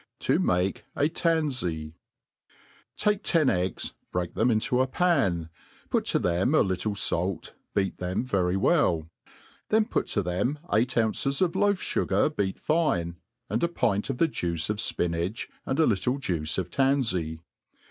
Ta 7nah a Tanfiy. TAKE ten eggs, break them into a pan, put to them a litr tie fait, beat them very well ; then put to them eight ounces of loaf fugar beat fine, and a pint of the juice of fpinach, and alittle juice of tanfey.